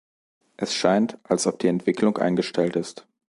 Es scheint, als ob die Entwicklung eingestellt ist.